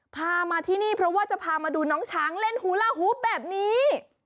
พามาที่นี่เพราะว่าจะพามาดูน้องช้างเล่นฮูลาฮูบแบบนี้